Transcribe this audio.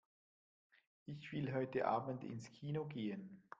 Ich will heute Abend ins Kino gehen.